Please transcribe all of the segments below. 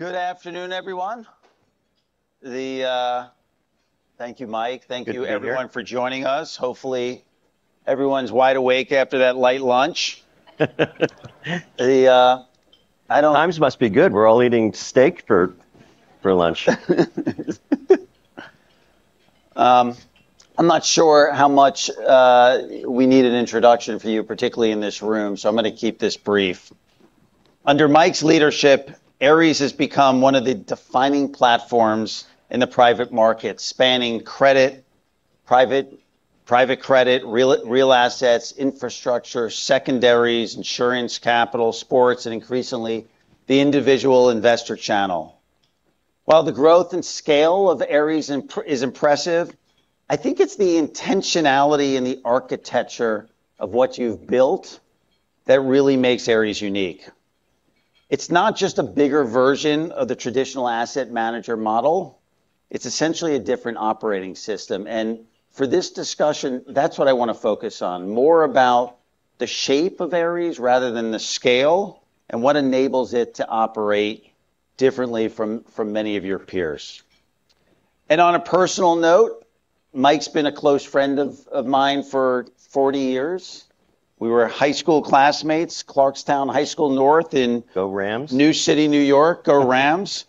Good afternoon, everyone. Thank you, Mike. Good to be here. Thank you everyone for joining us. Hopefully, everyone's wide awake after that light lunch. Times must be good. We're all eating steak for lunch. I'm not sure how much we need an introduction for you, particularly in this room, so I'm gonna keep this brief. Under Mike's leadership, Ares has become one of the defining platforms in the private market, spanning credit, private credit, real assets, infrastructure, secondaries, insurance, capital, sports, and increasingly, the individual investor channel. While the growth and scale of Ares is impressive, I think it's the intentionality and the architecture of what you've built that really makes Ares unique. It's not just a bigger version of the traditional asset manager model. It's essentially a different operating system. For this discussion, that's what I wanna focus on, more about the shape of Ares rather than the scale, and what enables it to operate differently from many of your peers. On a personal note, Mike's been a close friend of mine for 40 years. We were high school classmates, Clarkstown High School North. Go Rams. New City, New York. Go Rams.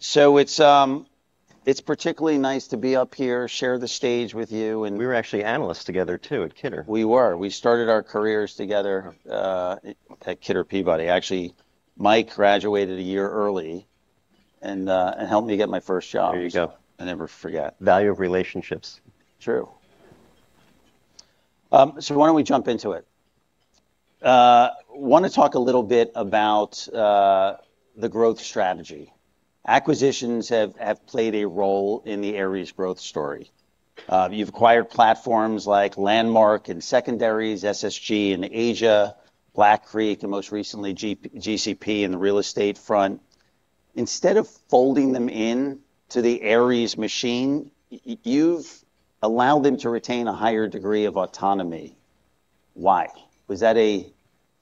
It's particularly nice to be up here, share the stage with you, and- We were actually analysts together too at Kidder. We were. We started our careers together at Kidder, Peabody. Actually, Mike graduated a year early and helped me get my first job. There you go. I never forget. Value of relationships. True. Why don't we jump into it? Wanna talk a little bit about the growth strategy. Acquisitions have played a role in the Ares growth story. You've acquired platforms like Landmark Partners and Secondaries, SSG in Asia, Black Creek Group, and most recently GCP in the real estate front. Instead of folding them into the Ares machine, you've allowed them to retain a higher degree of autonomy. Why? Was that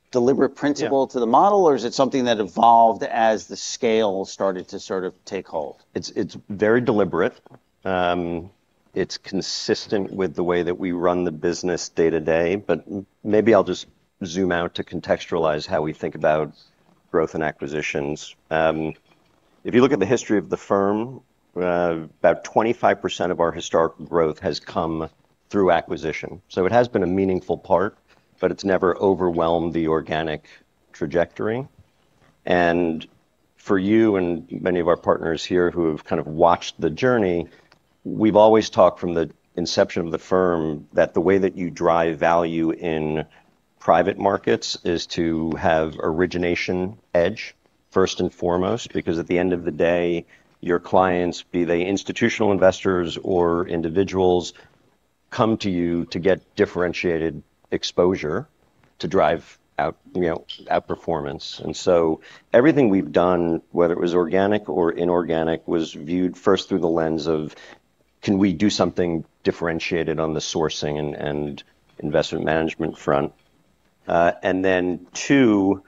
a deliberate principle? Yeah. to the model, or is it something that evolved as the scale started to sort of take hold? It's very deliberate. It's consistent with the way that we run the business day-to-day, but maybe I'll just zoom out to contextualize how we think about growth and acquisitions. If you look at the history of the firm, about 25% of our historic growth has come through acquisition. It has been a meaningful part, but it's never overwhelmed the organic trajectory. For you and many of our partners here who have kind of watched the journey, we've always talked from the inception of the firm that the way that you drive value in private markets is to have origination edge first and foremost, because at the end of the day, your clients, be they institutional investors or individuals, come to you to get differentiated exposure to drive out, you know, outperformance. Everything we've done, whether it was organic or inorganic, was viewed first through the lens of, can we do something differentiated on the sourcing and investment management front? Then two,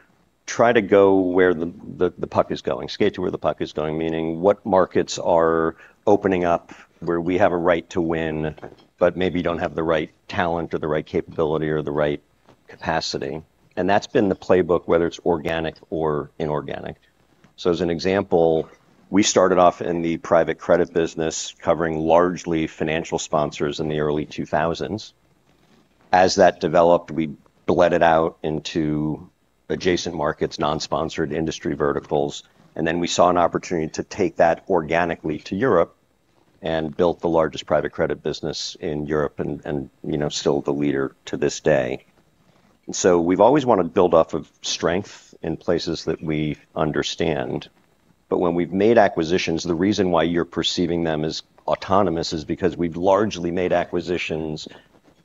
try to go where the puck is going. Skate to where the puck is going, meaning what markets are opening up where we have a right to win, but maybe don't have the right talent or the right capability or the right capacity. That's been the playbook, whether it's organic or inorganic. As an example, we started off in the private credit business covering largely financial sponsors in the early 2000s. As that developed, we bled it out into adjacent markets, non-sponsored industry verticals, and then we saw an opportunity to take that organically to Europe and built the largest private credit business in Europe and, you know, still the leader to this day. We've always wanted to build off of strength in places that we understand. When we've made acquisitions, the reason why you're perceiving them as autonomous is because we've largely made acquisitions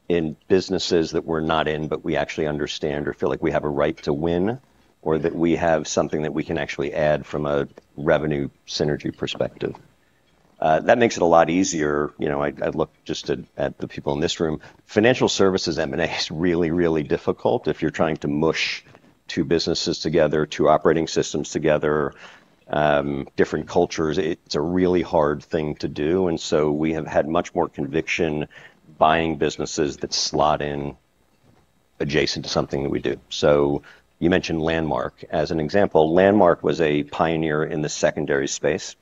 in businesses that we're not in, but we actually understand or feel like we have a right to win, or that we have something that we can actually add from a revenue synergy perspective. That makes it a lot easier. You know, I look just at the people in this room. Financial services M&A is really, really difficult. If you're trying to mush two businesses together, two operating systems together, different cultures, it's a really hard thing to do. We have had much more conviction buying businesses that slot in adjacent to something that we do. You mentioned Landmark. As an example, Landmark was a pioneer in the secondary space,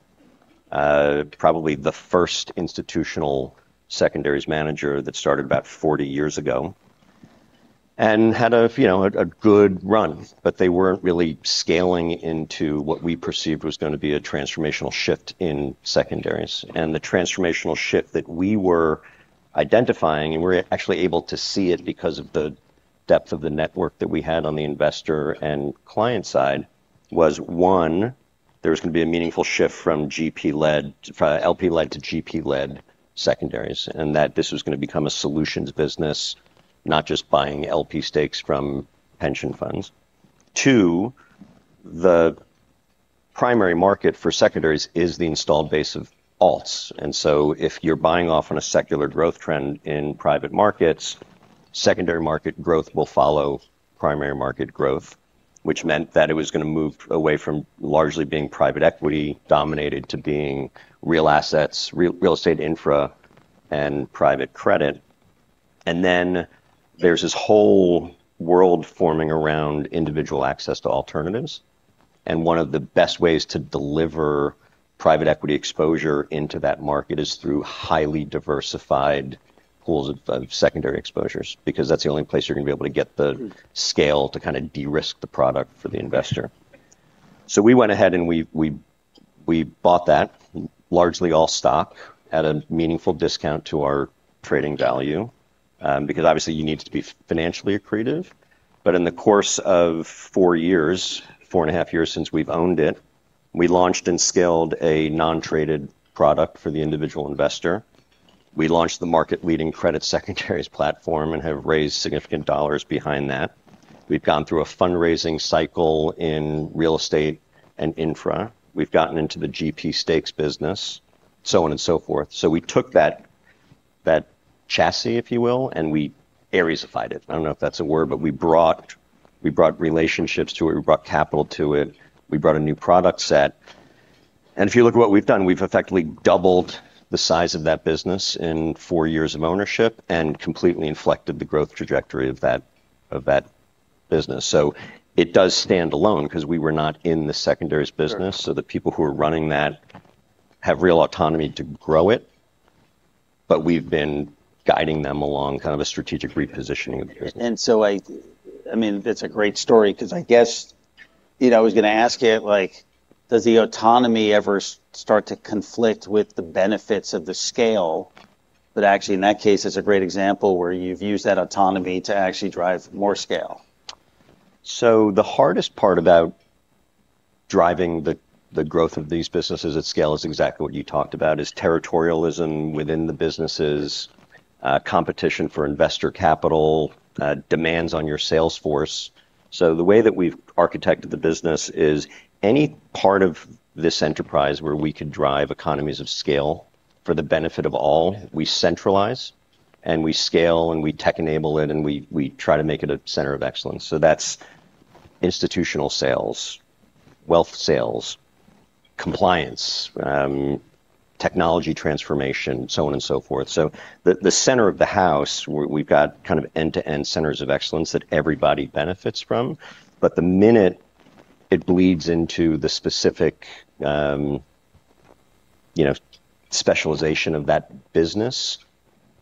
probably the first institutional secondaries manager that started about 40 years ago and had a you know, a good run, but they weren't really scaling into what we perceived was gonna be a transformational shift in secondaries. The transformational shift that we were identifying, and we're actually able to see it because of the depth of the network that we had on the investor and client side, was, one, there was gonna be a meaningful shift from LP-led to GP-led secondaries, and that this was gonna become a solutions business, not just buying LP stakes from pension funds. Two, the primary market for secondaries is the installed base of alts. If you're buying in on a secular growth trend in private markets, secondary market growth will follow primary market growth, which meant that it was gonna move away from largely being private equity dominated to being real assets, real estate, infra and private credit. Then there's this whole world forming around individual access to alternatives, and one of the best ways to deliver private equity exposure into that market is through highly diversified pools of secondary exposures, because that's the only place you're gonna be able to get the scale to kinda de-risk the product for the investor. We went ahead and we bought that, largely all stock, at a meaningful discount to our trading value, because obviously you need to be financially accretive. In the course of four years, four and a half years since we've owned it, we launched and scaled a non-traded product for the individual investor. We launched the market-leading credit secondaries platform and have raised significant dollars behind that. We've gone through a fundraising cycle in real estate and infra. We've gotten into the GP stakes business, so on and so forth. We took that chassis, if you will, and we Ares-ified it. I don't know if that's a word, but we brought relationships to it, we brought capital to it, we brought a new product set. If you look at what we've done, we've effectively doubled the size of that business in four years of ownership and completely inflected the growth trajectory of that business. It does stand alone because we were not in the secondaries business. Sure The people who are running that have real autonomy to grow it, but we've been guiding them along kind of a strategic repositioning of the business. I mean, that's a great story because I guess, you know, I was gonna ask you, like, does the autonomy ever start to conflict with the benefits of the scale? Actually, in that case, it's a great example where you've used that autonomy to actually drive more scale. The hardest part about driving the growth of these businesses at scale is exactly what you talked about, is territorialism within the businesses, competition for investor capital, demands on your sales force. The way that we've architected the business is any part of this enterprise where we could drive economies of scale for the benefit of all, we centralize and we scale and we tech enable it, and we try to make it a center of excellence. That's institutional sales, wealth sales, compliance, technology transformation, so on and so forth. The center of the house where we've got kind of end-to-end centers of excellence that everybody benefits from, but the minute it bleeds into the specific, you know, specialization of that business,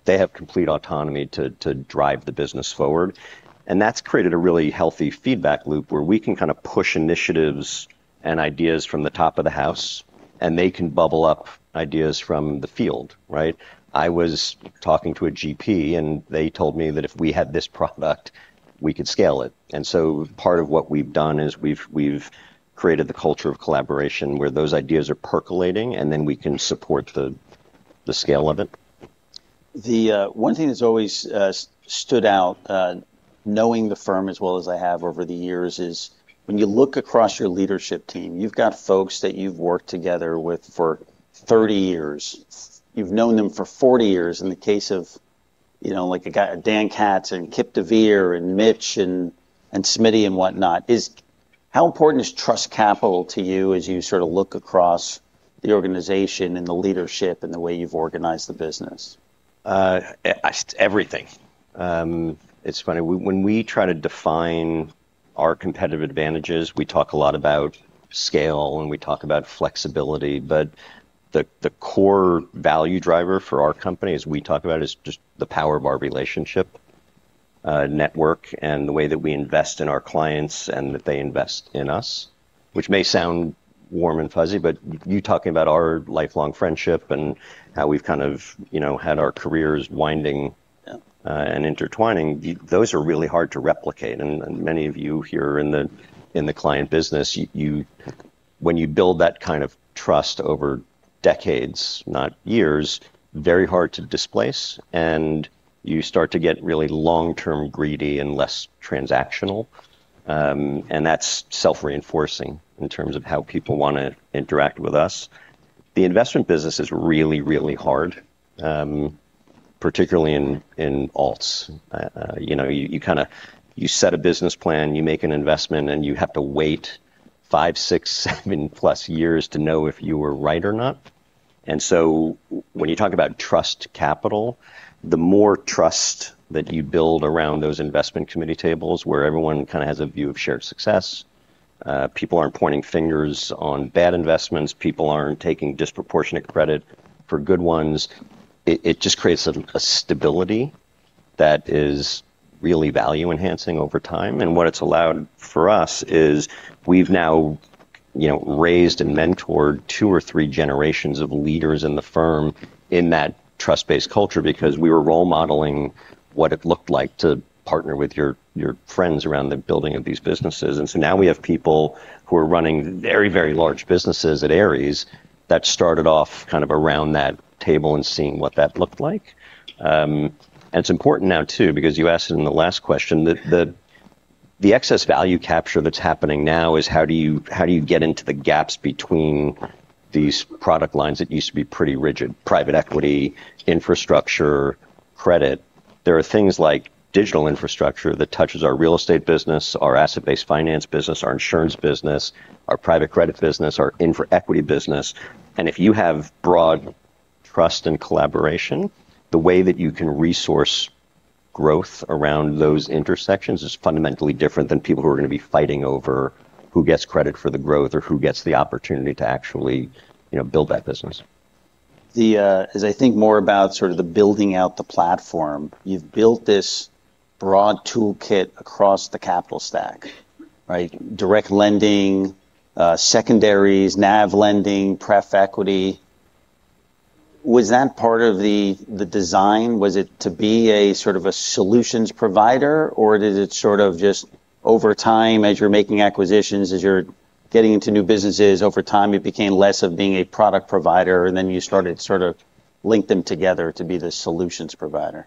they have complete autonomy to drive the business forward. That's created a really healthy feedback loop where we can kind of push initiatives and ideas from the top of the house, and they can bubble up ideas from the field, right? I was talking to a GP, and they told me that if we had this product, we could scale it. Part of what we've done is we've created the culture of collaboration where those ideas are percolating, and then we can support the scale of it. The one thing that's always stood out, knowing the firm as well as I have over the years, is when you look across your leadership team, you've got folks that you've worked together with for 30 years. You've known them for 40 years in the case of, you know, like Dan Katz and Kipp deVeer and Mitch and Smithy and whatnot. How important is trust capital to you as you sort of look across the organization and the leadership and the way you've organized the business? Everything. It's funny. When we try to define our competitive advantages, we talk a lot about scale, and we talk about flexibility, but the core value driver for our company, as we talk about, is just the power of our relationship network and the way that we invest in our clients and that they invest in us, which may sound warm and fuzzy, but you talking about our lifelong friendship and how we've kind of, you know, had our careers winding- Yeah Intertwining those are really hard to replicate. Many of you here in the client business, when you build that kind of trust over decades, not years, very hard to displace, and you start to get really long-term greedy and less transactional, and that's self-reinforcing in terms of how people wanna interact with us. The investment business is really, really hard, particularly in alts. You know, you set a business plan, you make an investment, and you have to wait five, six, seven plus years to know if you were right or not. When you talk about trust capital, the more trust that you build around those investment committee tables where everyone kinda has a view of shared success, people aren't pointing fingers on bad investments, people aren't taking disproportionate credit for good ones, it just creates a stability that is really value enhancing over time. What it's allowed for us is we've now, you know, raised and mentored two or three generations of leaders in the firm in that trust-based culture because we were role modeling what it looked like to partner with your friends around the building of these businesses. Now we have people who are running very, very large businesses at Ares that started off kind of around that table and seeing what that looked like. It's important now, too, because you asked it in the last question that the excess value capture that's happening now is how do you get into the gaps between these product lines that used to be pretty rigid? Private equity, infrastructure, credit. There are things like digital infrastructure that touches our real estate business, our asset-based finance business, our insurance business, our private credit business, our infra equity business. If you have broad trust and collaboration, the way that you can resource growth around those intersections is fundamentally different than people who are gonna be fighting over who gets credit for the growth or who gets the opportunity to actually, you know, build that business. As I think more about sort of the building out the platform, you've built this broad toolkit across the capital stack, right? Direct lending, secondaries, NAV lending, pref equity. Was that part of the design? Was it to be a sort of a solutions provider, or is it sort of just over time as you're making acquisitions, as you're getting into new businesses, over time, it became less of being a product provider, and then you started to sort of link them together to be the solutions provider?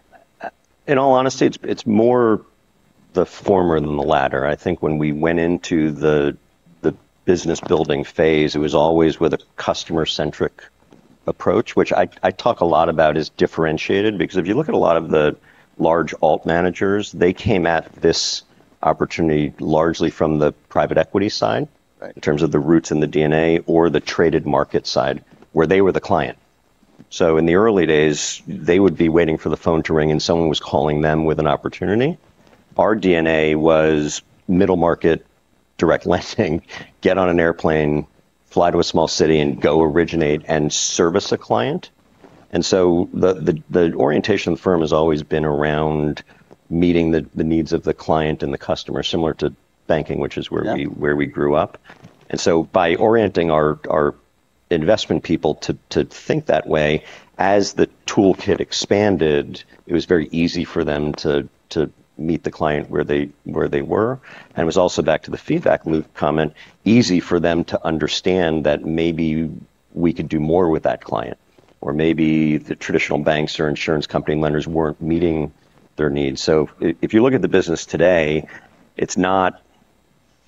In all honesty, it's more the former than the latter. I think when we went into the business building phase, it was always with a customer-centric approach, which I talk a lot about is differentiated because if you look at a lot of the large alt managers, they came at this opportunity largely from the private equity side. Right In terms of the roots and the DNA or the traded market side, where they were the client. In the early days, they would be waiting for the phone to ring, and someone was calling them with an opportunity. Our DNA was middle market direct lending, get on an airplane, fly to a small city, and go originate and service a client. The orientation of the firm has always been around meeting the needs of the client and the customer, similar to banking, which is where we- Yeah... where we grew up. By orienting our investment people to think that way, as the toolkit expanded, it was very easy for them to meet the client where they were. It was also back to the feedback loop comment, easy for them to understand that maybe we could do more with that client, or maybe the traditional banks or insurance company lenders weren't meeting their needs. If you look at the business today, it's not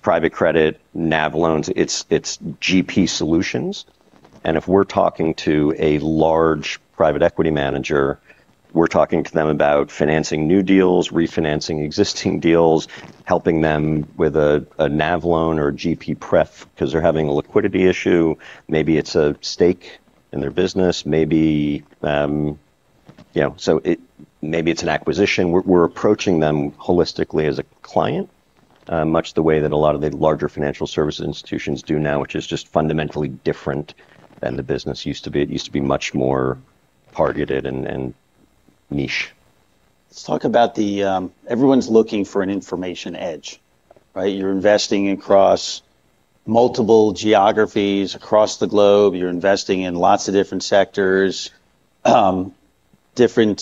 private credit NAV loans, it's GP solutions. If we're talking to a large private equity manager, we're talking to them about financing new deals, refinancing existing deals, helping them with a NAV loan or GP pref because they're having a liquidity issue. Maybe it's a stake in their business. Maybe it's an acquisition. We're approaching them holistically as a client, much the way that a lot of the larger financial service institutions do now, which is just fundamentally different than the business used to be. It used to be much more targeted and niche. Let's talk about everyone's looking for an information edge, right? You're investing across multiple geographies across the globe. You're investing in lots of different sectors, different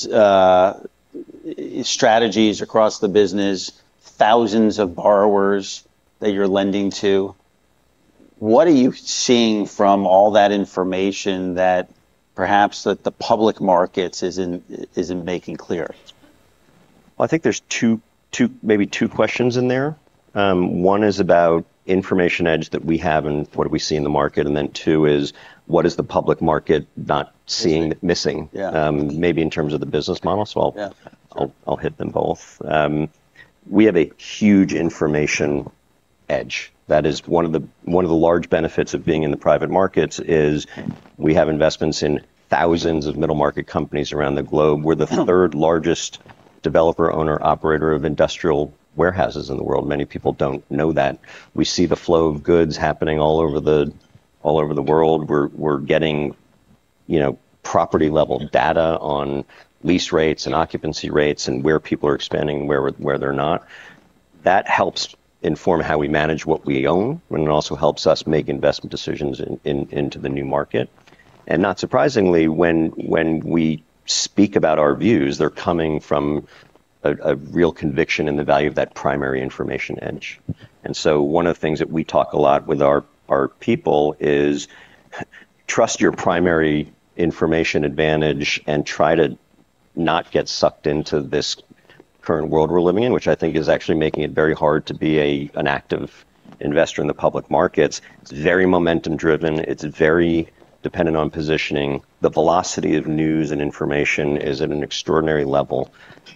strategies across the business, thousands of borrowers that you're lending to. What are you seeing from all that information that perhaps the public markets isn't making clear? Well, I think there's two, maybe two questions in there. One is about information edge that we have and what do we see in the market, and then two is what is the public market not seeing. Missing missing. Yeah. Maybe in terms of the business model. Yeah. Sure I'll hit them both. We have a huge information edge. That is one of the large benefits of being in the private markets is we have investments in thousands of middle-market companies around the globe. We're the third-largest developer, owner, operator of industrial warehouses in the world. Many people don't know that. We see the flow of goods happening all over the world. We're getting, you know, property-level data on lease rates and occupancy rates and where people are expanding, where they're not. That helps inform how we manage what we own, and it also helps us make investment decisions into the new market. Not surprisingly, when we speak about our views, they're coming from a real conviction in the value of that primary information edge. One of the things that we talk a lot with our people is trust your primary information advantage and try to not get sucked into this current world we're living in, which I think is actually making it very hard to be an active investor in the public markets. It's very momentum driven. It's very dependent on positioning. The velocity of news and information is at an extraordinary level,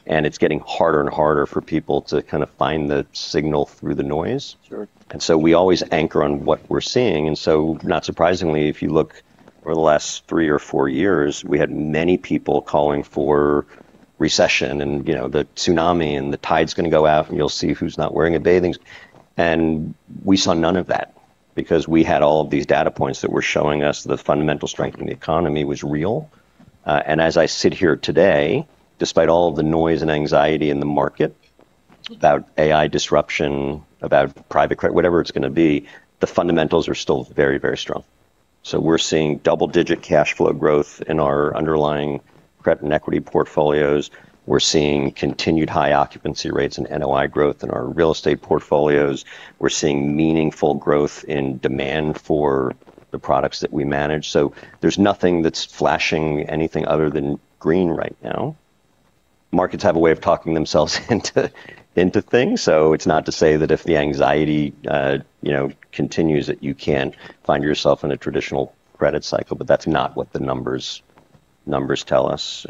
and it's getting harder and harder for people to kind of find the signal through the noise. Sure. We always anchor on what we're seeing. Not surprisingly, if you look over the last three or four years, we had many people calling for recession and, you know, the tsunami and the tide's gonna go out, and you'll see who's not wearing a bathing suit. We saw none of that because we had all of these data points that were showing us the fundamental strength in the economy was real. As I sit here today, despite all the noise and anxiety in the market about AI disruption, about private credit, whatever it's gonna be, the fundamentals are still very, very strong. We're seeing double-digit cash flow growth in our underlying credit and equity portfolios. We're seeing continued high occupancy rates and NOI growth in our real estate portfolios. We're seeing meaningful growth in demand for the products that we manage. There's nothing that's flashing anything other than green right now. Markets have a way of talking themselves into things. It's not to say that if the anxiety you know continues, that you can't find yourself in a traditional credit cycle, but that's not what the numbers tell us.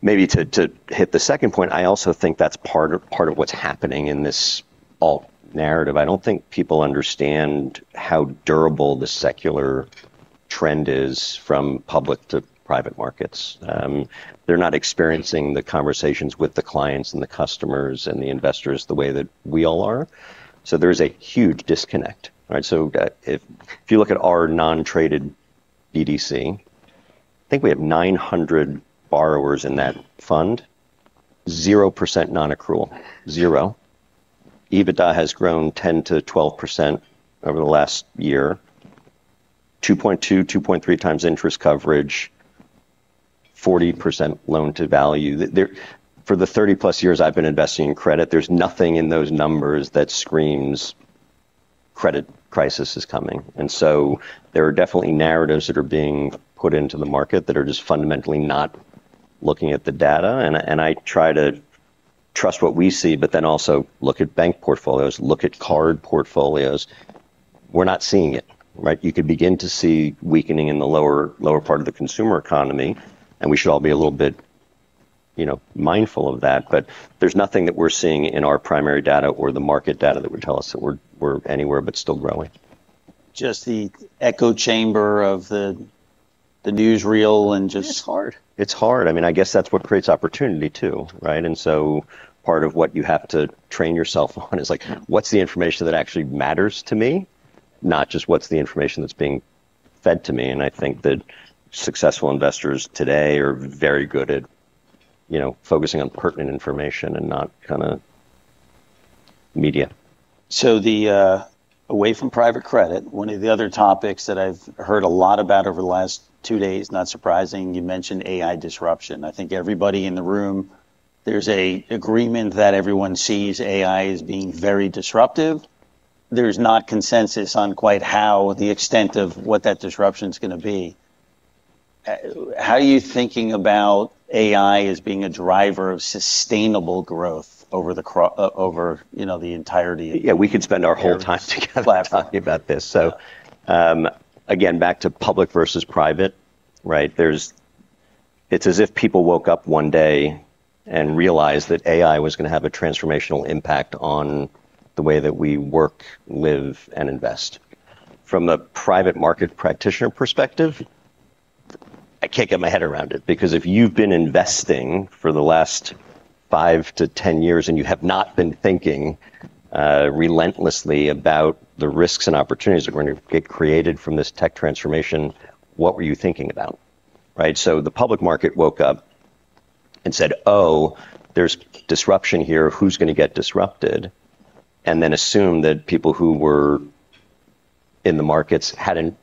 Maybe to hit the second point, I also think that's part of what's happening in this alts narrative. I don't think people understand how durable the secular trend is from public to private markets. They're not experiencing the conversations with the clients and the customers and the investors the way that we all are. There is a huge disconnect, right? If you look at our non-traded BDC, I think we have 900 borrowers in that fund, 0% non-accrual. Zero. EBITDA has grown 10%-12% over the last year, 2.2.3 times interest coverage, 40% loan-to-value. For the 30+ years I've been investing in credit, there's nothing in those numbers that screams credit crisis is coming. There are definitely narratives that are being put into the market that are just fundamentally not looking at the data, and I try to trust what we see but then also look at bank portfolios, look at card portfolios. We're not seeing it, right? You could begin to see weakening in the lower part of the consumer economy, and we should all be a little bit, you know, mindful of that. There's nothing that we're seeing in our primary data or the market data that would tell us that we're anywhere but still growing. Just the echo chamber of the newsreel and just. It's hard. I mean, I guess that's what creates opportunity too, right? Part of what you have to train yourself on is like. Yeah what's the information that actually matters to me, not just what's the information that's being fed to me. I think that successful investors today are very good at, you know, focusing on pertinent information and not kinda media. Away from private credit, one of the other topics that I've heard a lot about over the last two days, not surprising, you mentioned AI disruption. I think everybody in the room, there's a agreement that everyone sees AI as being very disruptive. There's no consensus on quite how the extent of what that disruption's gonna be. How are you thinking about AI as being a driver of sustainable growth over, you know, the entirety? Yeah, we could spend our whole time together talking about this. Again, back to public versus private, right? It's as if people woke up one day and realized that AI was gonna have a transformational impact on the way that we work, live, and invest. From the private market practitioner perspective, I can't get my head around it because if you've been investing for the last 5 years - 10 years, and you have not been thinking relentlessly about the risks and opportunities that were gonna get created from this tech transformation, what were you thinking about, right? The public market woke up and said, "Oh, there's disruption here. Who's gonna get disrupted?" Then assume that people who were in the markets hadn't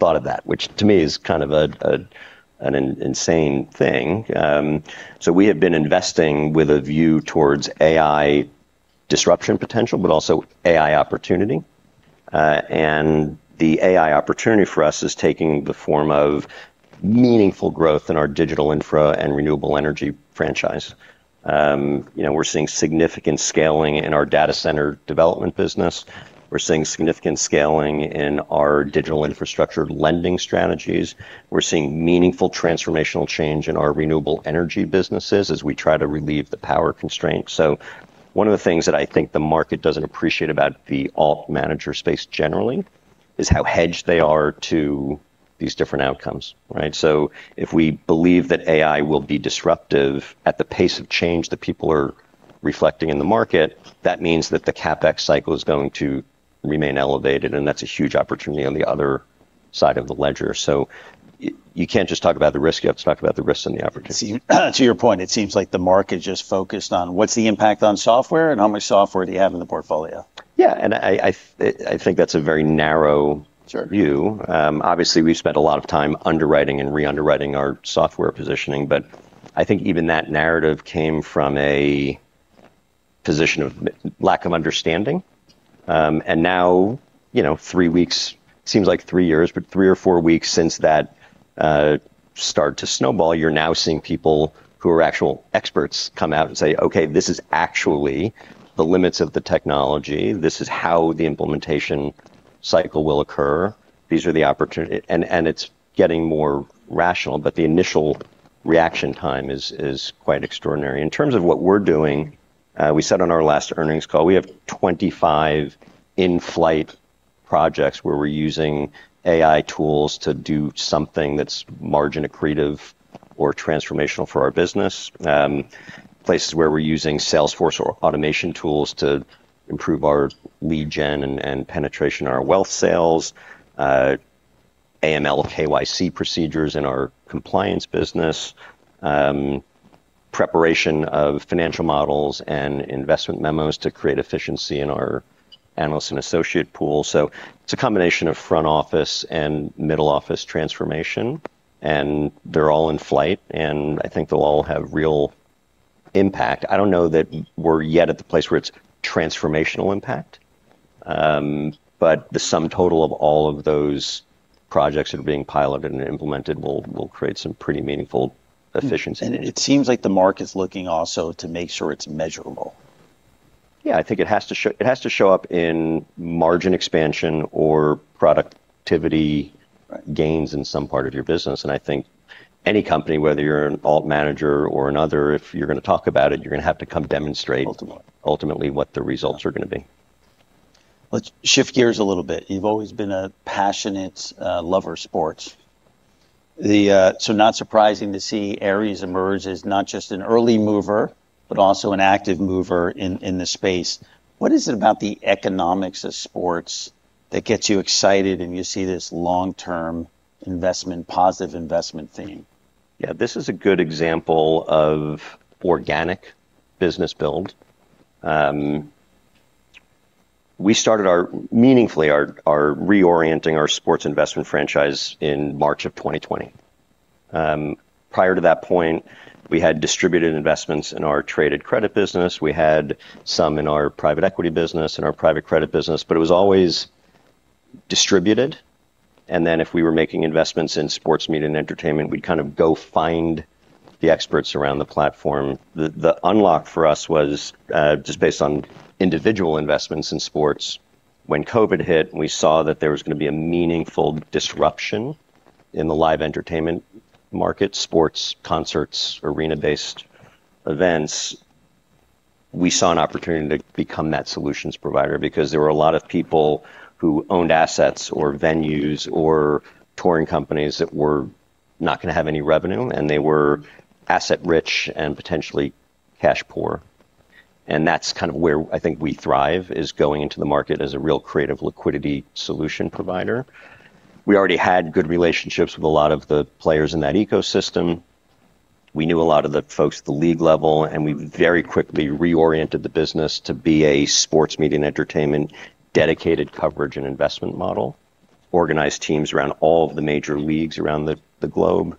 thought of that, which to me is kind of an insane thing. We have been investing with a view towards AI disruption potential, but also AI opportunity. The AI opportunity for us is taking the form of meaningful growth in our digital infra and renewable energy franchise. You know, we're seeing significant scaling in our data center development business. We're seeing significant scaling in our digital infrastructure lending strategies. We're seeing meaningful transformational change in our renewable energy businesses as we try to relieve the power constraints. One of the things that I think the market doesn't appreciate about the alt manager space generally is how hedged they are to these different outcomes, right? If we believe that AI will be disruptive at the pace of change that people are reflecting in the market, that means that the CapEx cycle is going to remain elevated, and that's a huge opportunity on the other side of the ledger. You can't just talk about the risk, you have to talk about the risks and the opportunity. To your point, it seems like the market just focused on what's the impact on software and how much software do you have in the portfolio. I think that's a very narrow- Sure view. Obviously we've spent a lot of time underwriting and re-underwriting our software positioning, but I think even that narrative came from a position of lack of understanding. Now, you know, three weeks, seems like three years, but three or four weeks since that started to snowball, you're now seeing people who are actual experts come out and say, "Okay, this is actually the limits of the technology. This is how the implementation cycle will occur. These are the opportunity." It's getting more rational, but the initial reaction time is quite extraordinary. In terms of what we're doing, we said on our last earnings call, we have 25 in-flight projects where we're using AI tools to do something that's margin accretive or transformational for our business, places where we're using Salesforce or automation tools to improve our lead gen and penetration in our wealth sales, AML, KYC procedures in our compliance business, preparation of financial models and investment memos to create efficiency in our analyst and associate pool. It's a combination of front office and middle office transformation, and they're all in flight, and I think they'll all have real impact. I don't know that we're yet at the place where it's transformational impact. The sum total of all of those projects that are being piloted and implemented will create some pretty meaningful efficiency. It seems like the market's looking also to make sure it's measurable. Yeah, I think it has to show up in margin expansion or productivity. Right... gains in some part of your business. I think any company, whether you're an alt manager or another, if you're gonna talk about it, you're gonna have to come demonstrate. Ultimately Ultimately what the results are gonna be. Let's shift gears a little bit. You've always been a passionate lover of sports. That's so not surprising to see Ares emerge as not just an early mover, but also an active mover in the space. What is it about the economics of sports that gets you excited and you see this long-term investment, positive investment theme? Yeah. This is a good example of organic business build. We started meaningfully reorienting our sports investment franchise in March of 2020. Prior to that point, we had distributed investments in our traded credit business. We had some in our private equity business and our private credit business, but it was always distributed, and then if we were making investments in sports media and entertainment, we'd kind of go find the experts around the platform. The unlock for us was just based on individual investments in sports. When COVID hit and we saw that there was gonna be a meaningful disruption in the live entertainment market, sports, concerts, arena-based events, we saw an opportunity to become that solutions provider because there were a lot of people who owned assets or venues or touring companies that were not gonna have any revenue, and they were asset-rich and potentially cash poor. That's kind of where I think we thrive, is going into the market as a real creative liquidity solution provider. We already had good relationships with a lot of the players in that ecosystem. We knew a lot of the folks at the league level, and we very quickly reoriented the business to be a sports media and entertainment dedicated coverage and investment model. Organized teams around all of the major leagues around the globe.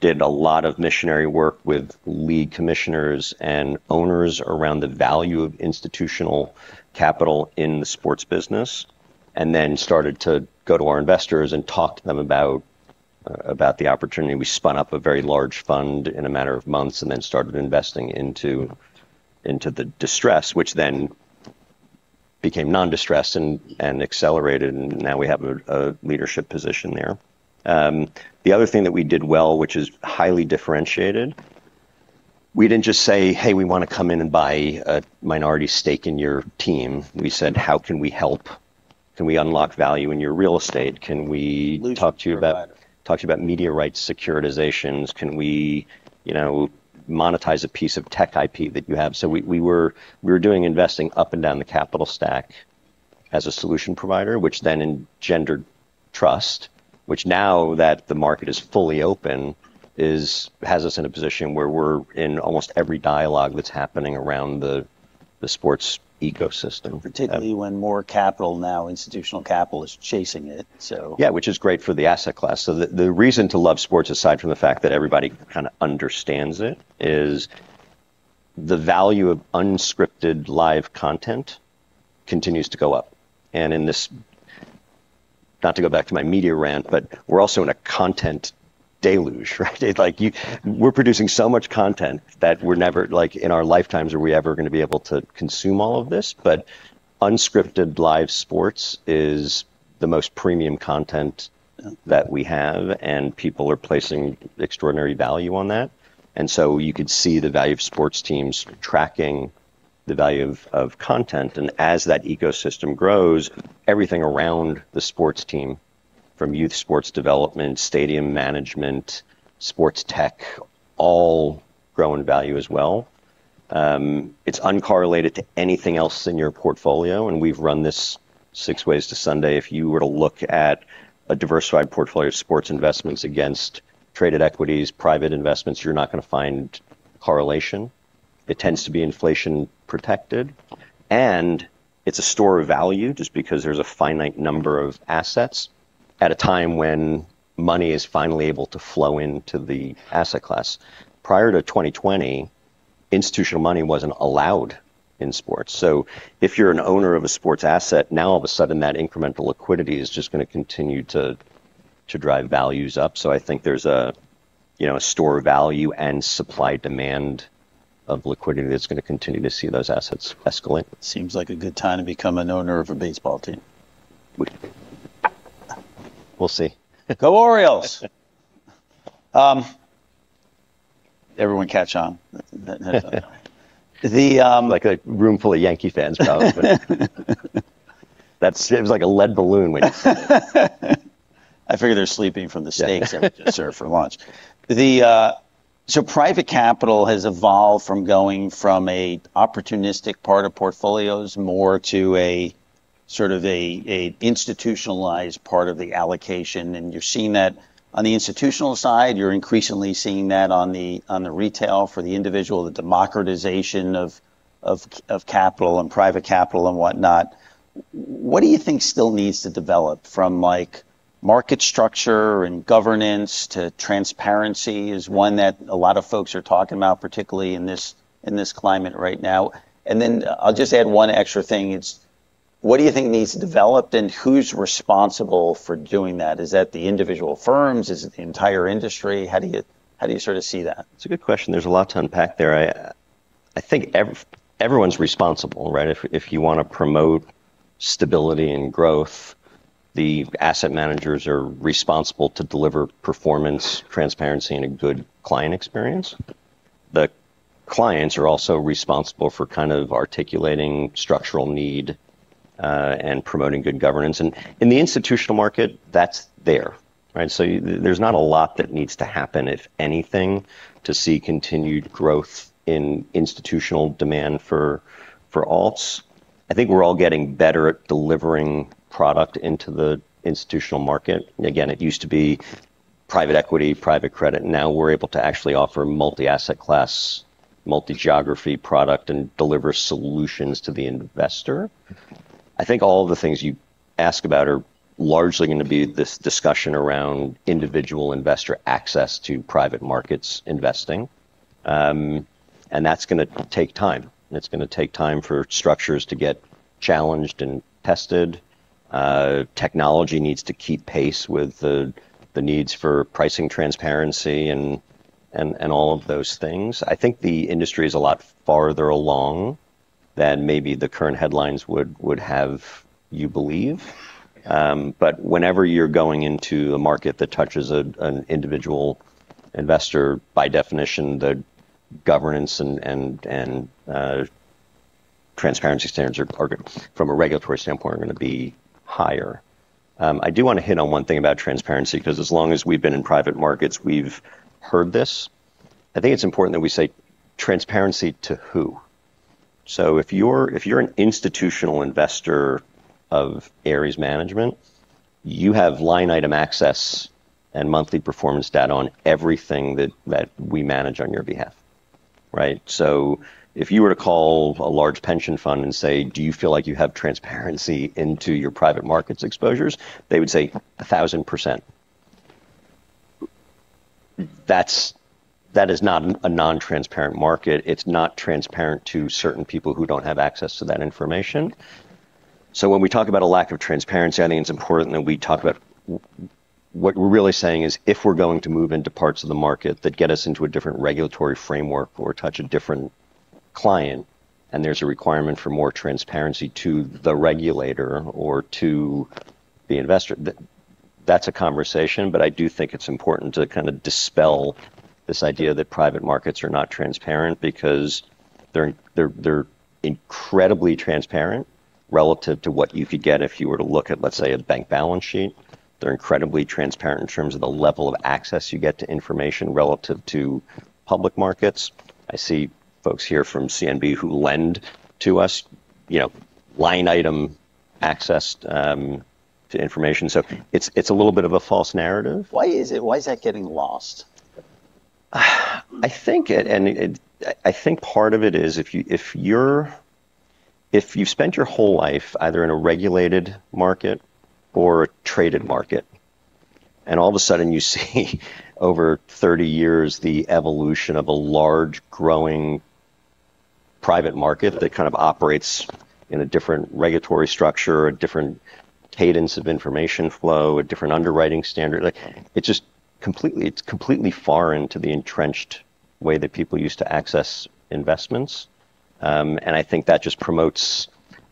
Did a lot of missionary work with league commissioners and owners around the value of institutional capital in the sports business, and then started to go to our investors and talk to them about the opportunity. We spun up a very large fund in a matter of months and then started investing into the distress, which then became non-distress and accelerated, and now we have a leadership position there. The other thing that we did well, which is highly differentiated, we didn't just say, "Hey, we wanna come in and buy a minority stake in your team." We said, "How can we help? Can we unlock value in your real estate? Can we talk to you about. Solution provider talk to you about media rights securitizations? Can we, you know, monetize a piece of tech IP that you have?" We were doing investing up and down the capital stack as a solution provider, which then engendered trust, which now that the market is fully open, has us in a position where we're in almost every dialogue that's happening around the sports ecosystem. Particularly when more capital, now institutional capital, is chasing it, so. Yeah, which is great for the asset class. The reason to love sports, aside from the fact that everybody kinda understands it, is the value of unscripted live content continues to go up. In this. Not to go back to my media rant, but we're also in a content deluge, right? We're producing so much content that we're never, like, in our lifetimes are we ever gonna be able to consume all of this. Unscripted live sports is the most premium content. Mm-hmm that we have, and people are placing extraordinary value on that. You could see the value of sports teams tracking the value of content, and as that ecosystem grows, everything around the sports team, from youth sports development, stadium management, sports tech, all grow in value as well. It's uncorrelated to anything else in your portfolio, and we've run this six ways to Sunday. If you were to look at a diversified portfolio of sports investments against traded equities, private investments, you're not gonna find correlation. It tends to be inflation protected, and it's a store of value just because there's a finite number of assets at a time when money is finally able to flow into the asset class. Prior to 2020, institutional money wasn't allowed in sports. If you're an owner of a sports asset, now all of a sudden that incremental liquidity is just gonna continue to drive values up. I think there's a, you know, a store of value and supply and demand of liquidity that's gonna continue to see those assets escalate. Seems like a good time to become an owner of a baseball team. We'll see. Go Orioles. Everyone catch on? Like a room full of Yankee fans probably. That seems like a lead balloon when you. I figure they're sleeping from the steaks that were just served for lunch. Private capital has evolved from going from a opportunistic part of portfolios more to a sort of a institutionalized part of the allocation, and you're seeing that on the institutional side. You're increasingly seeing that on the retail for the individual, the democratization of capital and private capital and whatnot. What do you think still needs to develop from, like, market structure and governance to transparency is one that a lot of folks are talking about, particularly in this climate right now. Then I'll just add one extra thing. It's what do you think needs developed and who's responsible for doing that? Is that the individual firms? Is it the entire industry? How do you sort of see that? It's a good question. There's a lot to unpack there. I think everyone's responsible, right? If you wanna promote stability and growth, the asset managers are responsible to deliver performance, transparency, and a good client experience. The clients are also responsible for kind of articulating structural need and promoting good governance. In the institutional market, that's there, right? There's not a lot that needs to happen, if anything, to see continued growth in institutional demand for alts. I think we're all getting better at delivering product into the institutional market. Again, it used to be private equity, private credit. Now we're able to actually offer multi-asset class, multi-geography product and deliver solutions to the investor. I think all the things you ask about are largely gonna be this discussion around individual investor access to private markets investing. That's gonna take time. It's gonna take time for structures to get challenged and tested. Technology needs to keep pace with the needs for pricing transparency and all of those things. I think the industry is a lot farther along than maybe the current headlines would have you believe. Whenever you're going into a market that touches an individual investor, by definition, the governance and transparency standards are from a regulatory standpoint gonna be higher. I do wanna hit on one thing about transparency, 'cause as long as we've been in private markets, we've heard this. I think it's important that we say transparency to who. If you're an institutional investor of Ares Management, you have line item access and monthly performance data on everything that we manage on your behalf, right? If you were to call a large pension fund and say, "Do you feel like you have transparency into your private markets exposures?" They would say, "1,000%." That's not a non-transparent market. It's not transparent to certain people who don't have access to that information. When we talk about a lack of transparency, I think it's important that we talk about what we're really saying is if we're going to move into parts of the market that get us into a different regulatory framework or touch a different client, and there's a requirement for more transparency to the regulator or to the investor, that's a conversation. I do think it's important to kind of dispel this idea that private markets are not transparent because they're incredibly transparent relative to what you could get if you were to look at, let's say, a bank balance sheet. They're incredibly transparent in terms of the level of access you get to information relative to public markets. I see folks here from CNB who lend to us, you know, line item access to information. It's a little bit of a false narrative. Why is that getting lost? I think part of it is if you've spent your whole life either in a regulated market or a traded market, and all of a sudden you see over 30 years, the evolution of a large growing private market that kind of operates in a different regulatory structure, a different cadence of information flow, a different underwriting standard. Like, it's just completely foreign to the entrenched way that people use to access investments. I think that just promotes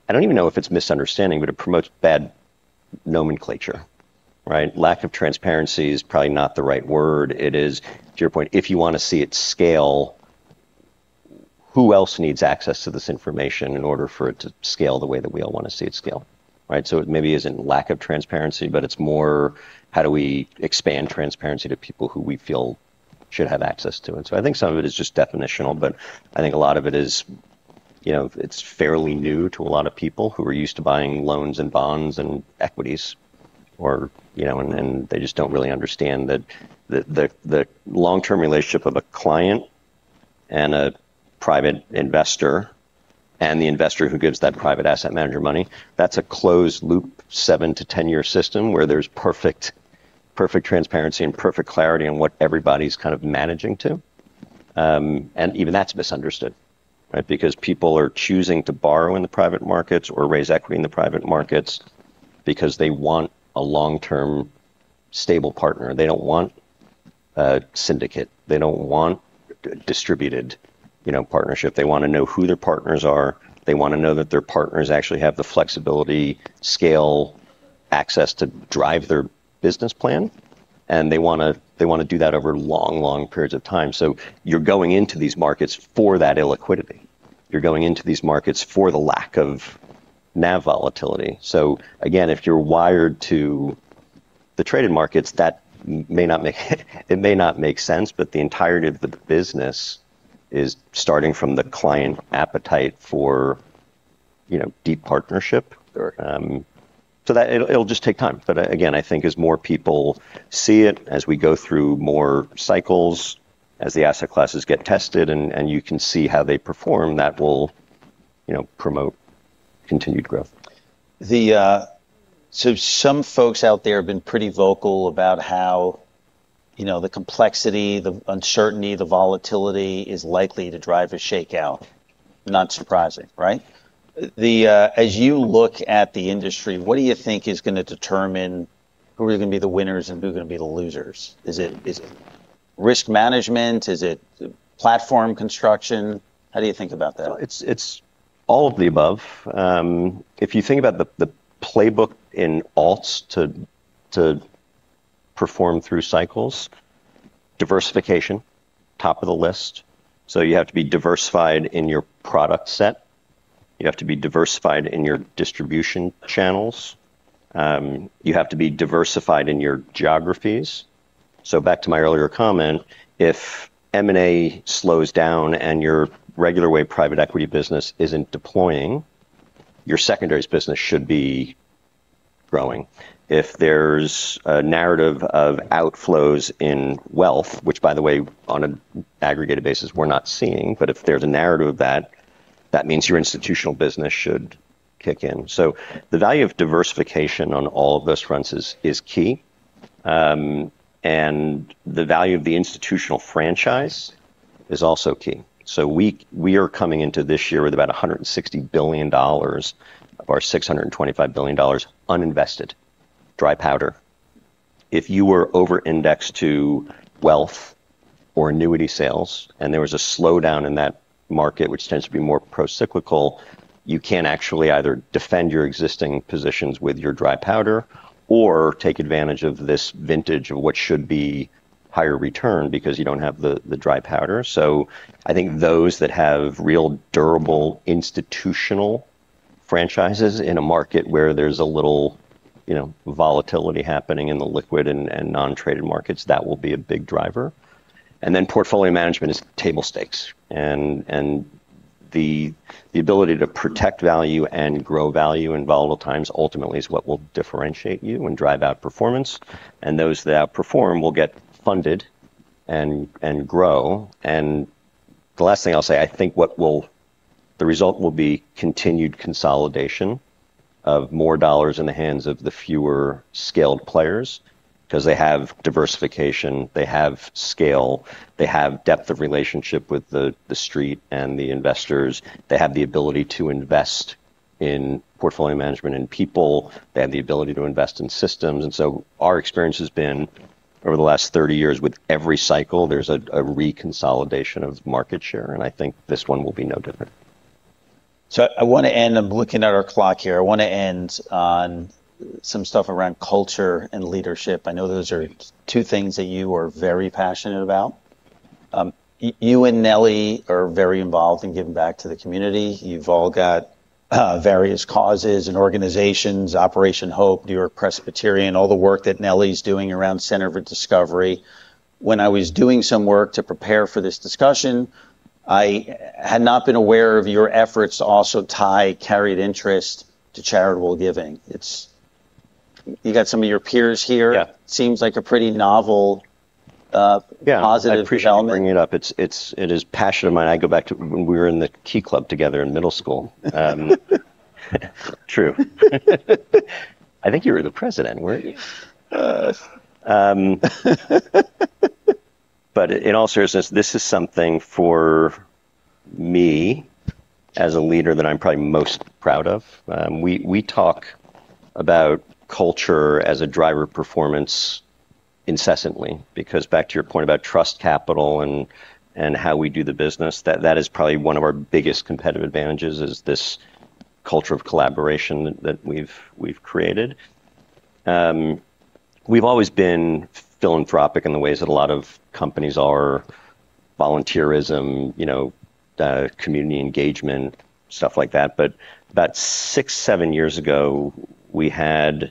bad nomenclature, right? Lack of transparency is probably not the right word. It is, to your point, if you wanna see it scale, who else needs access to this information in order for it to scale the way that we all wanna see it scale, right? It maybe isn't lack of transparency, but it's more how do we expand transparency to people who we feel should have access to it. I think some of it is just definitional, but I think a lot of it is, you know, it's fairly new to a lot of people who are used to buying loans and bonds and equities or, you know, and they just don't really understand that the long-term relationship of a client and a private investor and the investor who gives that private asset manager money, that's a closed loop, 7 year - 10 year system where there's perfect transparency and perfect clarity on what everybody's kind of managing to. And even that's misunderstood, right? Because people are choosing to borrow in the private markets or raise equity in the private markets because they want a long-term stable partner. They don't want a syndicate. They don't want distributed, you know, partnership. They want to know who their partners are. They want to know that their partners actually have the flexibility, scale, access to drive their business plan, and they wanna do that over long, long periods of time. You're going into these markets for that illiquidity. You're going into these markets for the lack of NAV volatility. Again, if you're wired to the traded markets, that may not make sense, but the entirety of the business is starting from the client appetite for, you know, deep partnership. Sure. That it'll just take time. Again, I think as more people see it, as we go through more cycles, as the asset classes get tested and you can see how they perform, that will, you know, promote continued growth. Some folks out there have been pretty vocal about how, you know, the complexity, the uncertainty, the volatility is likely to drive a shakeout. Not surprising, right? As you look at the industry, what do you think is gonna determine who are gonna be the winners and who are gonna be the losers? Is it risk management? Is it platform construction? How do you think about that? It's all of the above. If you think about the playbook in alts to perform through cycles, diversification, top of the list. You have to be diversified in your product set. You have to be diversified in your distribution channels. You have to be diversified in your geographies. Back to my earlier comment, if M&A slows down and your regular way private equity business isn't deploying, your secondaries business should be growing. If there's a narrative of outflows in wealth, which by the way, on an aggregated basis we're not seeing, but if there's a narrative of that means your institutional business should kick in. The value of diversification on all of those fronts is key. The value of the institutional franchise is also key. We are coming into this year with about $160 billion of our $625 billion uninvested, dry powder. If you were over-indexed to wealth or annuity sales, and there was a slowdown in that market, which tends to be more pro-cyclical, you can't actually either defend your existing positions with your dry powder or take advantage of this vintage of what should be higher return because you don't have the dry powder. I think those that have real durable institutional franchises in a market where there's a little, you know, volatility happening in the liquid and non-traded markets, that will be a big driver. Then portfolio management is table stakes. The ability to protect value and grow value in volatile times ultimately is what will differentiate you and drive outperformance. Those that outperform will get funded and grow. The last thing I'll say, I think the result will be continued consolidation of more dollars in the hands of the fewer scaled players because they have diversification, they have scale, they have depth of relationship with the street and the investors. They have the ability to invest in portfolio management and people. They have the ability to invest in systems. Our experience has been over the last 30 years, with every cycle, there's a reconsolidation of market share, and I think this one will be no different. I wanna end, I'm looking at our clock here. I wanna end on some stuff around culture and leadership. I know those are two things that you are very passionate about. You and Nellie are very involved in giving back to the community. You've all got various causes and organizations, Operation HOPE, NewYork-Presbyterian, all the work that Nellie's doing around Center for Discovery. When I was doing some work to prepare for this discussion, I had not been aware of your efforts to also tie carried interest to charitable giving. It's. You got some of your peers here. Yeah. Seems like a pretty novel. Yeah Positive development. I appreciate you bringing it up. It is a passion of mine. I go back to when we were in the Key Club together in middle school. True. I think you were the president, weren't you? In all seriousness, this is something for me as a leader that I'm probably most proud of. We talk about culture as a driver of performance incessantly, because back to your point about trust capital and how we do the business, that is probably one of our biggest competitive advantages is this culture of collaboration that we've created. We've always been philanthropic in the ways that a lot of companies are, volunteerism, you know, community engagement, stuff like that. About six or seven years ago, we had a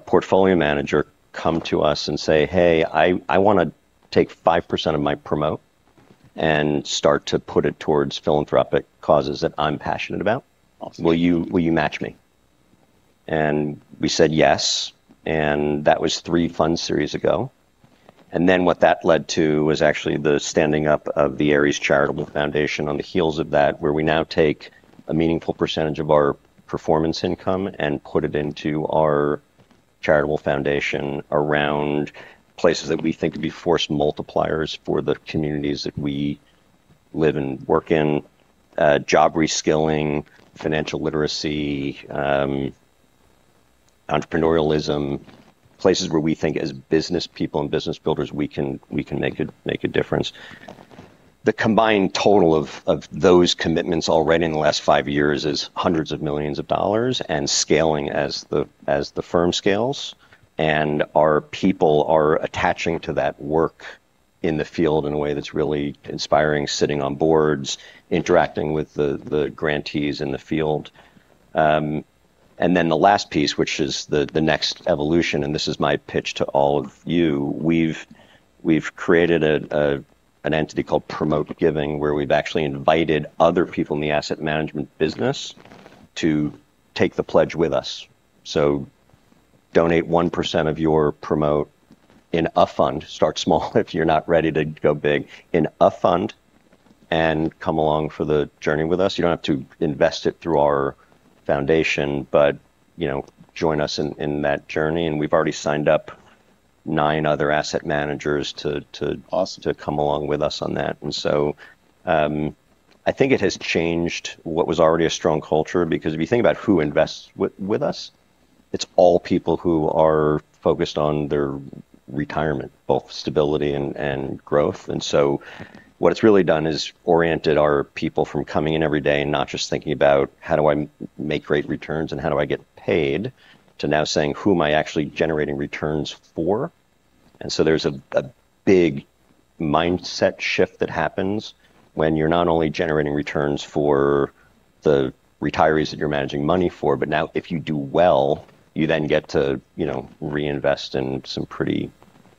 portfolio manager come to us and say, "Hey, I wanna take 5% of my promote and start to put it towards philanthropic causes that I'm passionate about. Awesome. Will you match me?" We said yes, and that was three fund series ago. What that led to was actually the standing up of the Ares Charitable Foundation on the heels of that, where we now take a meaningful percentage of our performance income and put it into our charitable foundation around places that we think could be force multipliers for the communities that we live and work in. Job reskilling, financial literacy, entrepreneurialism, places where we think as business people and business builders, we can make a difference. The combined total of those commitments already in the last five years is $ hundreds of millions and scaling as the firm scales. Our people are attaching to that work in the field in a way that's really inspiring, sitting on boards, interacting with the grantees in the field. The last piece, which is the next evolution, and this is my pitch to all of you. We've created an entity called Promote Giving, where we've actually invited other people in the asset management business to take the pledge with us. Donate 1% of your promote in a fund. Start small if you're not ready to go big. In a fund, and come along for the journey with us. You don't have to invest it through our foundation, but you know, join us in that journey, and we've already signed up nine other asset managers to, Awesome... to come along with us on that. I think it has changed what was already a strong culture. Because if you think about who invests with us, it's all people who are focused on their retirement, both stability and growth. What it's really done is oriented our people from coming in every day and not just thinking about, "How do I make great returns and how do I get paid?" to now saying, "Who am I actually generating returns for?" There's a big mindset shift that happens when you're not only generating returns for the retirees that you're managing money for, but now if you do well, you then get to, you know, reinvest in some pretty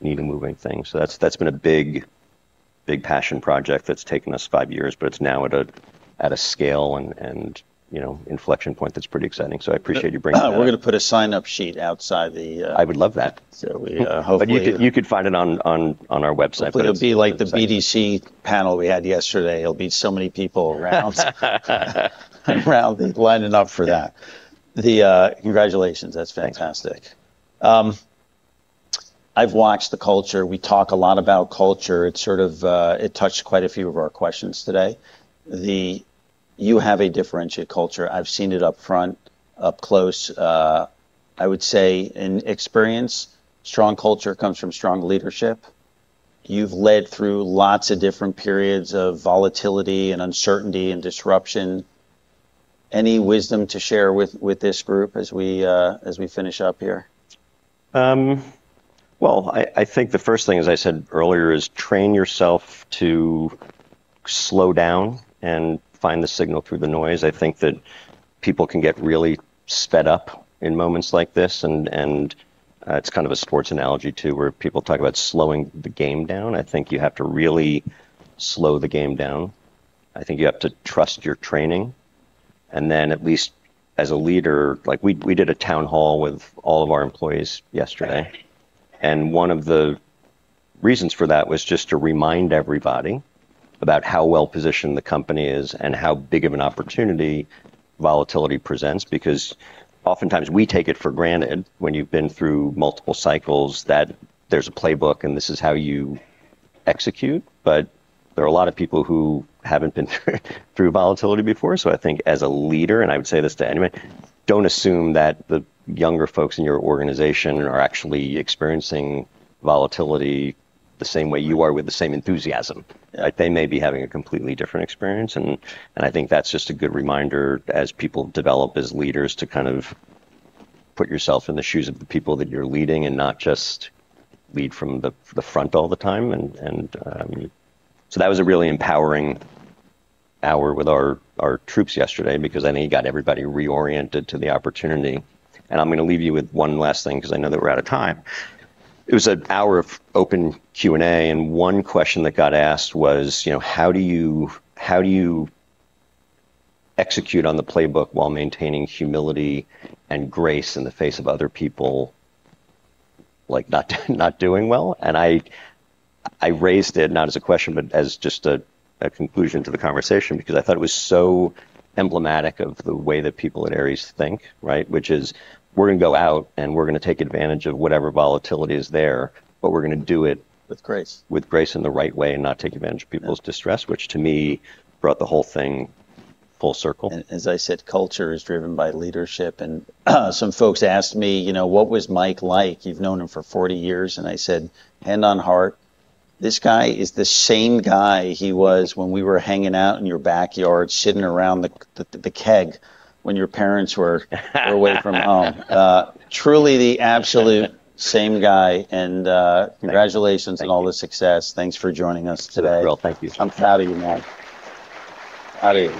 needle-moving things. That's been a big passion project that's taken us five years, but it's now at a scale and, you know, inflection point that's pretty exciting. I appreciate you bringing that up. We're gonna put a sign-up sheet outside the, I would love that. We hopefully. You could find it on our website. Hopefully it'll be like the BDC panel we had yesterday. There'll be so many people around lining up for that. Congratulations. That's fantastic. Thanks. I've watched the culture. We talk a lot about culture. It sort of touched quite a few of our questions today. You have a differentiated culture. I've seen it up front, up close. I would say in experience, strong culture comes from strong leadership. You've led through lots of different periods of volatility and uncertainty and disruption. Any wisdom to share with this group as we finish up here? Well, I think the first thing, as I said earlier, is train yourself to slow down and find the signal through the noise. I think that people can get really sped up in moments like this, and it's kind of a sports analogy too, where people talk about slowing the game down. I think you have to really slow the game down. I think you have to trust your training, and then at least as a leader. Like, we did a town hall with all of our employees yesterday, and one of the reasons for that was just to remind everybody about how well-positioned the company is and how big of an opportunity volatility presents. Because oftentimes we take it for granted when you've been through multiple cycles that there's a playbook and this is how you execute, but there are a lot of people who haven't been through through volatility before. I think as a leader, and I would say this to anyone, don't assume that the younger folks in your organization are actually experiencing volatility the same way you are with the same enthusiasm. Like, they may be having a completely different experience, and I think that's just a good reminder as people develop as leaders to kind of put yourself in the shoes of the people that you're leading and not just lead from the front all the time. That was a really empowering hour with our troops yesterday because I think it got everybody reoriented to the opportunity. I'm gonna leave you with one last thing because I know that we're out of time. It was an hour of open Q&A, and one question that got asked was, you know, how do you execute on the playbook while maintaining humility and grace in the face of other people, like, not doing well? I raised it, not as a question, but as just a conclusion to the conversation because I thought it was so emblematic of the way that people at Ares think, right? Which is, we're gonna go out and we're gonna take advantage of whatever volatility is there, but we're gonna do it. With grace. With grace and the right way and not take advantage of people's distress. Which to me brought the whole thing full circle. As I said, culture is driven by leadership. Some folks asked me, you know, "What was Mike like? You've known him for 40 years." I said, "Hand on heart, this guy is the same guy he was when we were hanging out in your backyard sitting around the keg when your parents were away from home." Truly the absolute same guy and, Thank you. Congratulations on all the success. Thanks for joining us today. Well, thank you so much. I'm proud of you, man. Proud of you.